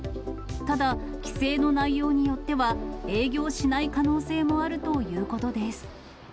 ただ、規制の内容によっては、営業しない可能性もあるということです。